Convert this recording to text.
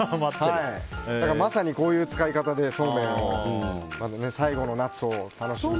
まさに、こういう使い方でそうめんを最後の夏を楽しみたいなと。